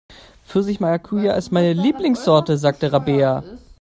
Pfirsich-Maracuja ist meine Lieblingssorte, sagt Rabea.